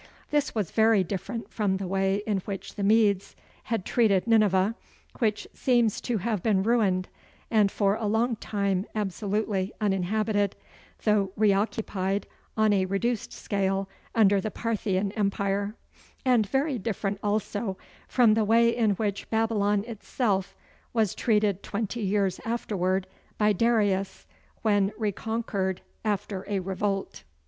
This was very different from the way in which the Medes had treated Nineveh, which seems to have been ruined and for a long time absolutely uninhabited, though reoccupied on a reduced scale under the Parthian empire; and very different also from the way in which Babylon itself was treated twenty years afterward by Darius, when reconquered after a revolt.